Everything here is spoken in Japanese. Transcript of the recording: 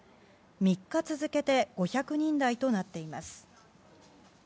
３日続けて５００人台となっています。